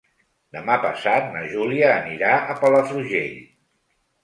Demà passat na Júlia anirà a Palafrugell.